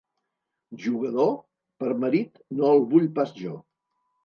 Jugador? Per marit no el vull pas jo.